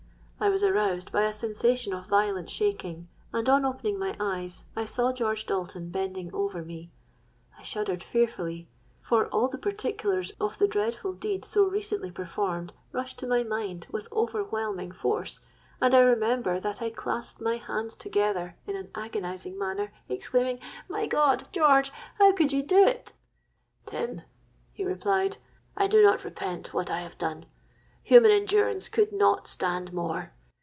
I was aroused by a sensation of violent shaking; and, on opening my eyes, I saw George Dalton bending over me. I shuddered fearfully—for all the particulars of the dreadful deed so recently performed, rushed to my mind with overwhelming force; and I remember that I clasped my hands together in an agonising manner, exclaiming, 'My God! George, how could you do it?'—'Tim,' he replied, 'I do not repent what I have done. Human endurance could not stand more.